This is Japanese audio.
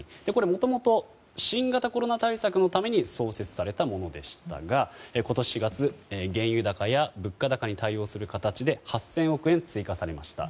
もともと新型コロナ対策のために創設されたものでしたが今年４月、原油高や物価高に対応する形で８０００億円追加されました。